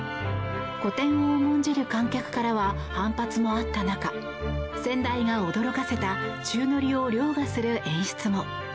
古典を重んじる観客からは反発もあった中先代を驚かせた宙乗りを凌駕する演出も。